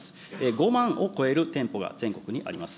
５万を超える店舗が全国にあります。